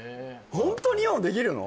ホントに今もできるの？